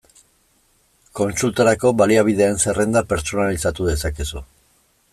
Kontsultarako baliabideen zerrenda pertsonalizatu dezakezu.